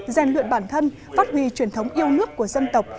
rèn luyện bản thân phát huy truyền thống yêu nước của dân tộc